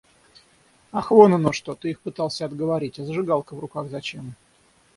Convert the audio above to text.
Ах вон оно что, ты их пытался отговорить. А зажигалка в руках зачем?